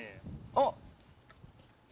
あっ。